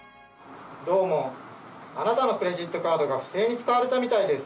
どうもあなたのクレジットカードが不正に使われたみたいです。